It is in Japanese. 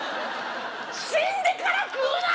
死んでから食うな！